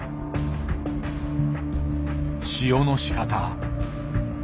塩のしかた。